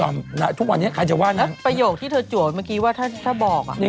ประโยคที่เธอจุ๋อเมื่อกี้ว่าถ้าบอก